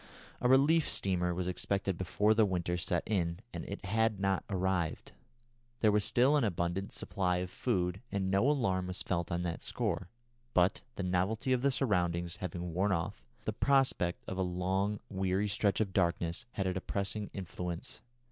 A relief steamer was expected before the winter set in, and it had not arrived. There was still an abundant supply of food, and no alarm was felt on that score; but the novelty of the surroundings having worn off, the prospect of the long, weary stretch of darkness had a depressing influence.